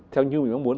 theo như mình muốn